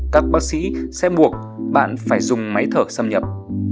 các bác sĩ sẽ buộc bạn phải dùng máy thở xâm nhập